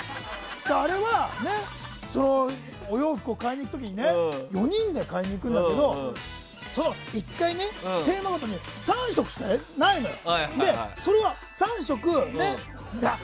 あれはお洋服を買いに行く時に４人で買いに行くんだけど１回のテーマごとに３色しかないのよ。